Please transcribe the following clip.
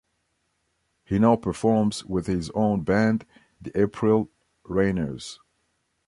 He now performs with his own band The April Rainers.